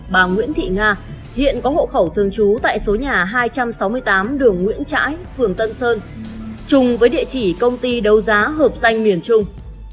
bà nguyễn thị nga hiện có hộ khẩu thường trú tại số nhà hai trăm sáu mươi tám đường nguyễn trãi phường tân sơn chung với địa chỉ công ty đấu giá hợp danh miền trung